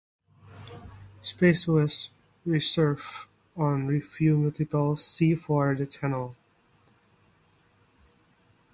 Space was reserved on Freeview multiplex C for the channel.